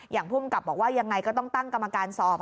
อย่างผู้บังกับบอกว่ายังไงก็ต้องตั้งกรรมการสอบ